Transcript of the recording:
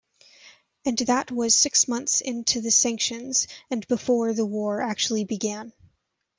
And that was six months into the sanctions and before the war actually began.